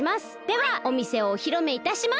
ではおみせをおひろめいたします！